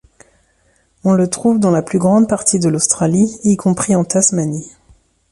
On le trouve dans la plus grande partie de l'Australie y compris en Tasmanie.